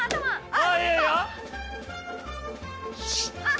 あっ。